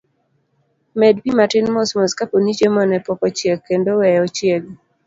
Med pii matin mos mos kaponi chiemo ne pok ochiek, kendo weye ochiegi.